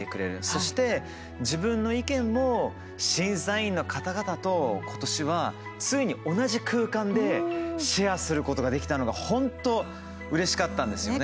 そして自分の意見も審査員の方々と今年はついに同じ空間でシェアすることができたのが本当うれしかったんですよね。